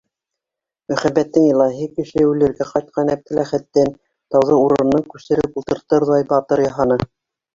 Мөхәббәттең илаһи көсө үлергә ҡайтҡан Әптеләхәттән тауҙы урынынан күсереп ултыртырҙай батыр яһаны.